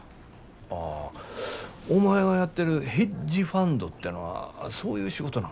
ああお前がやってるヘッジファンドてのはそういう仕事なんか。